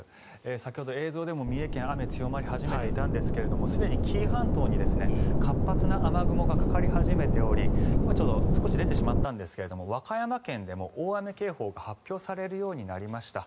先ほど、映像でも三重県、雨が強まり始めていたんですがすでに紀伊半島に活発な雨雲がかかり始めており今、少し出てしまったんですが和歌山県でも大雨警報が発表されるようになりました。